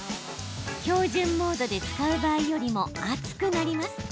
標準モードで使う場合よりも熱くなります。